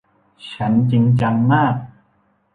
ฉันจริงจังมาก